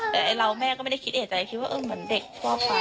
แต่เราแม่ก็ไม่ได้คิดเอกใจคิดว่าเหมือนเด็กทั่วไป